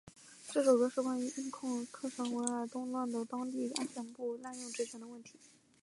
这首歌是关于印控克什米尔地区的动乱中当地安全部队滥用职权的问题。